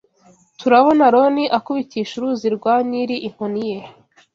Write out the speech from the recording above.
turabona Aroni akubitisha Uruzi rwa Nili inkoni ye